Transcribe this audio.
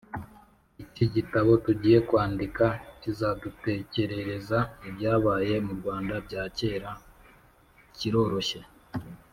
-iki gitabo tugiye kwandika kizadutekerereza ibyabaye mu rwanda bya kera, kiroroshye,